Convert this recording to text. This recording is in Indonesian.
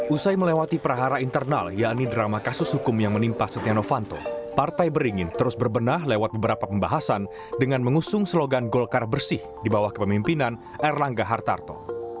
usai melewati perahara internal yakni drama kasus hukum yang menimpa setia novanto partai beringin terus berbenah lewat beberapa pembahasan dengan mengusung slogan golkar bersih di bawah kepemimpinan erlangga hartarto